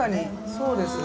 そうですね。